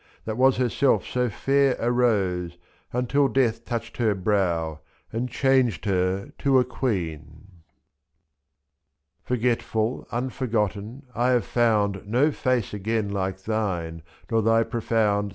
That was herself so fair a rose, until Death touched her brow and changed her to a queen. 87 Forgetful unf or gotten^ I have found No face again like thine ^ nor thy profound 2 (J.